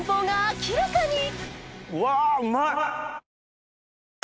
うわうまい。